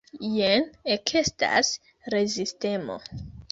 Jen ekestas rezistemo.